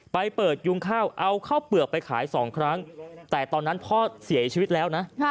ไปเปิดยุงข้าวเอาข้าวเปลือกไปขายสองครั้งแต่ตอนนั้นพ่อเสียชีวิตแล้วนะ